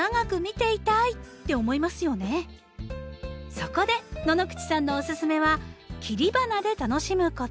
そこで野々口さんのおすすめは切り花で楽しむこと。